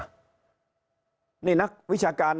ที่จะทำให้เกิดสถานการณ์ที่ไม่พึงประสงค์ตามมา